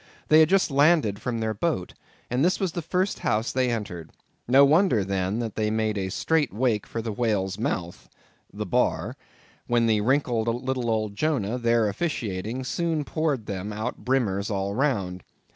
They had just landed from their boat, and this was the first house they entered. No wonder, then, that they made a straight wake for the whale's mouth—the bar—when the wrinkled little old Jonah, there officiating, soon poured them out brimmers all round.